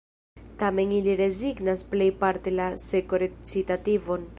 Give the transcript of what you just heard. Tamen ili rezignas plejparte la seko-recitativon.